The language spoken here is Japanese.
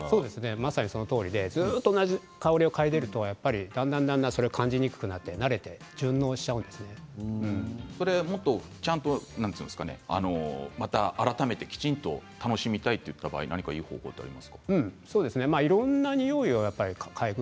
まさにそのとおりでずっと同じ香りを嗅いでいるとだんだん感じにくくなってもっとちゃんとまた改めてきちんと楽しみたいといった場合いろんな匂いを嗅ぐ。